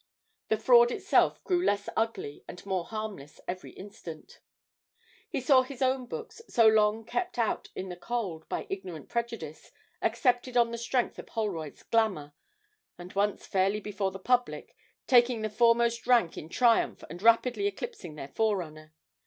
The fraud itself grew less ugly and more harmless every instant. He saw his own books, so long kept out in the cold by ignorant prejudice, accepted on the strength of Holroyd's 'Glamour,' and, once fairly before the public, taking the foremost rank in triumph and rapidly eclipsing their forerunner.